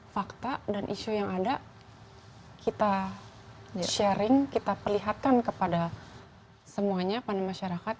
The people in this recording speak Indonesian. fakta dan isu yang ada kita sharing kita perlihatkan kepada semuanya pada masyarakat